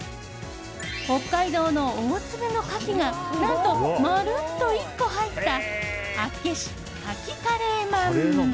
北海道の大粒の牡蠣が何と、まるっと１個入った厚岸牡蠣カレーまん。